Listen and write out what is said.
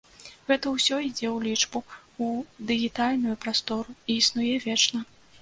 Гэта ўсё ідзе ў лічбу, у дыгітальную прастору, і існуе вечна.